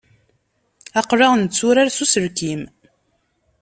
Aql-aɣ netturar s uselkim.